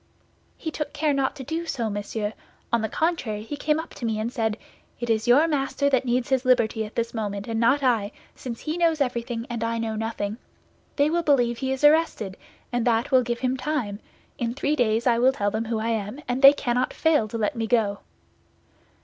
"He took care not to do so, monsieur; on the contrary, he came up to me and said, 'It is your master that needs his liberty at this moment and not I, since he knows everything and I know nothing. They will believe he is arrested, and that will give him time; in three days I will tell them who I am, and they cannot fail to let me go.